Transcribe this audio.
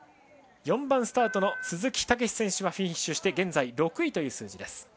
４番スタートの鈴木猛史選手はフィニッシュして現在、６位という数字です。